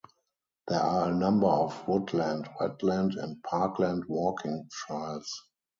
There are a number of woodland, wetland and parkland walking trails.